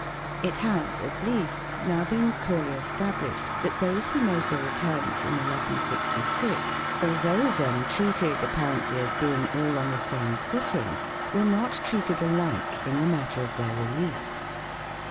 It has, at least, now been clearly established that those who made their returns in 1166, although then treated, apparently, as being all on the same footing, were not treated alike in the matter of their reliefs.